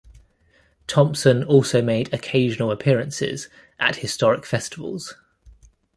Thompson also made occasional appearances at historic festivals.